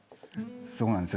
そうなんです。